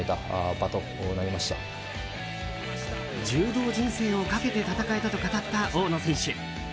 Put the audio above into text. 柔道人生をかけて戦えたと語った大野選手。